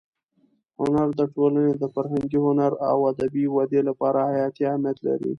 هنر د ټولنې د فرهنګ، هنر او ادبي ودې لپاره حیاتي اهمیت لري.